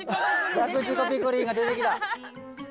ラクチュコピクリンが出てきた。